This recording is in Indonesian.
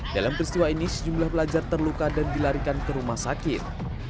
dalam peristiwa ini sejumlah pelajar terluka dan dilarikan ke rumah sakit